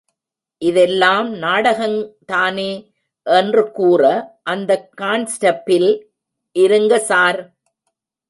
இதெல்லாம் நாடகங்தானே! என்று கூற, அந்தக் கான்ஸ்ட பில் இருங்க சார்!